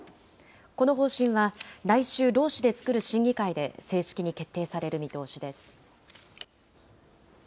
この方針は来週、労使で作る審議会で正式に決定される見通しです。